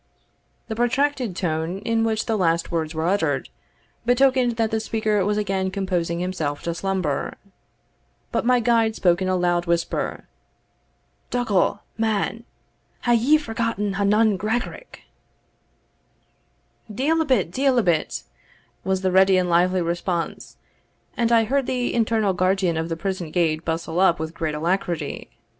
The protracted tone in which the last words were uttered, betokened that the speaker was again composing himself to slumber. But my guide spoke in a loud whisper "Dougal, man! hae ye forgotten Ha nun Gregarach?" "Deil a bit, deil a bit," was the ready and lively response, and I heard the internal guardian of the prison gate bustle up with great alacrity.